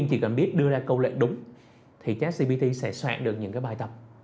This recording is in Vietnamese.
thì jack gpt sẽ soạn được những bài tập